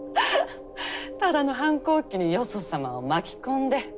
ただの反抗期によそさまを巻き込んで。